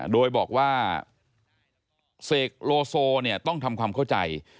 โดยบอกว่าเสกโลโซโพสต์เนี่ยต้องทำความเข้าใจ